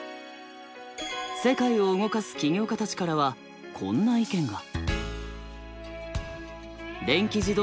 世界を動かす起業家たちからはこんな意見が。